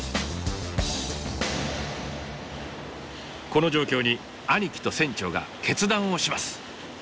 この状況に兄貴と船長が決断をします。